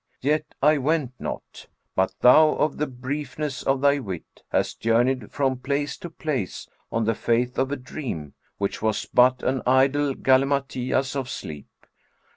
Yet I went not; but thou, of the briefness of thy wit, hast journeyed from place to place, on the faith of a dream, which was but an idle galimatias of sleep."